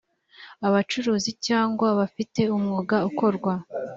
abacuruzi cyangwa bafite umwuga ukorwa